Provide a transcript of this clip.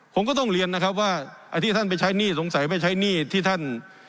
ผมก็ต้องเรียนนะครับว่าไอ้ที่ท่านไปใช้หนี้สงสัยไปใช้หนี้ที่ท่าน